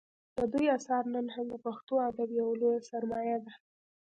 د دوی اثار نن هم د پښتو ادب یوه لویه سرمایه ده